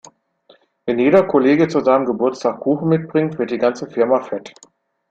Wenn jeder Kollege zu seinem Geburtstag Kuchen mitbringt, wird die ganze Firma fett.